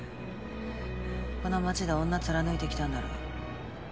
この街で女貫いてきたんだろ。